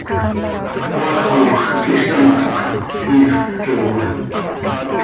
¿Cmaacoj quih zímjöc siifp queeya?